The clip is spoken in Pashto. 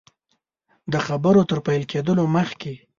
د خبرو تر پیل کېدلو مخکي.